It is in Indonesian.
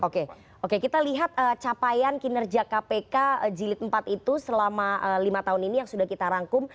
oke oke kita lihat capaian kinerja kpk jilid empat itu selama lima tahun ini yang sudah kita rangkum